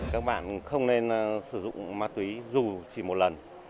các bạn không nên sử dụng ma túy dù chỉ một lần